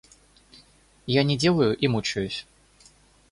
Я не делаю и мучаюсь.